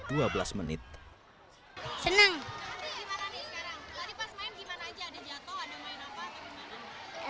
tadi pas main gimana aja ada jatuh ada main apa